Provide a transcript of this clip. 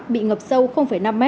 bị ngập sâu năm m